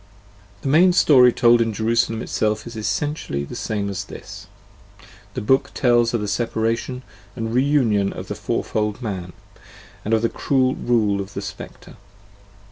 The main story told in "Jerusalem" itself is essentially the same as this: the book tells of the separation and reunion of the fourfold man, and of the cruel rule of the Speclre.